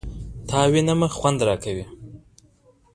تا وينمه خونـد راكوي